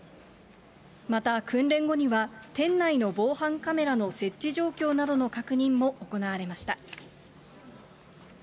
また、訓練後には、店内の防犯カメラの設置状況などの確認も行われました。